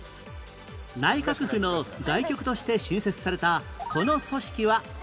内閣府の外局として新設されたこの組織は何庁？